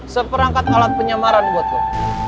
seperangkat alat penyamaran buat gua